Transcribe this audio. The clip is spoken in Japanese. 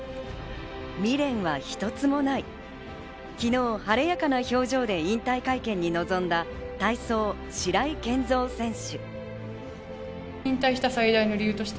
昨日、晴れやかな表情で引退会見に臨んだ体操・白井健三選手。